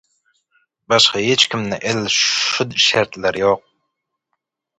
Başga hiçkimde edil şu şertler ýok.